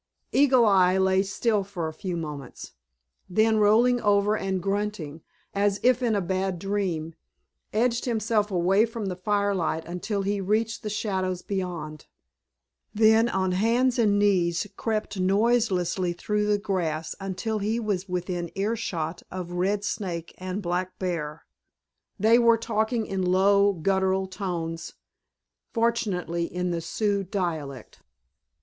Eagle Eye lay still for a few moments, then rolling over and grunting, as if in a bad dream, edged himself away from the firelight until he reached the shadows beyond, then on hands and knees crept noiselessly through the grass until he was within earshot of Red Snake and Black Bear. They were talking in low, guttural tones, fortunately in the Sioux dialect.